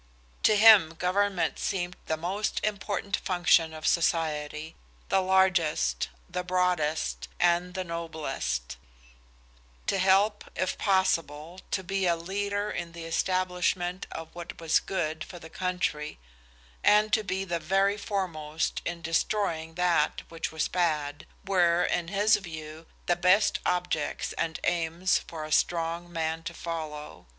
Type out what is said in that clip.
To him government seemed the most important function of society, the largest, the broadest, and the noblest; to help, if possible, to be a leader in the establishment of what was good for the country, and to be the very foremost in destroying that which was bad, were in his view the best objects and aims for a strong man to follow.